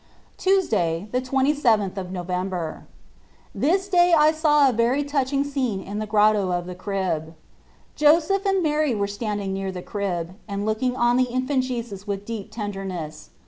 Tuesday, the 2yth of November. This day I saw a very touching scene in the Grotto of the Crib. Joseph and Mary were standing near the crib, and looking on the Infant Jesus with deep tenderness.